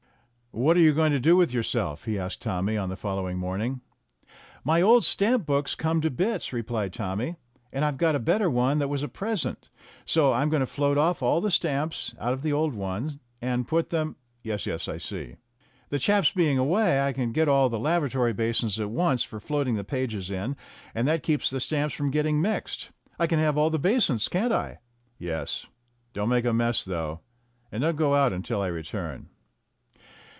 "What are you going to do with yourself?" he asked Tommy on the following morning. "My old stamp book's come to bits," replied Tommy, "and I've got a better one that was a present. So I'm going to float off all the stamps out of the old one, and put them " "Yes, yes, I see." "The chaps being away, I can get all the lavatory basins at once for floating the pages in, and that keeps the stamps from getting mixed. I can have all the basins, can't I?" "Yes. Don't make any mess, though; and don't go out until I return."